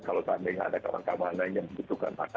kalau tadi nggak ada kawan kawan lain yang butuhkan makanan